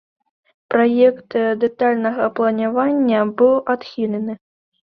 Праект дэтальнага планавання быў адхілены.